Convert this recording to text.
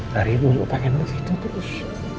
dari dulu pengenmu gitu terus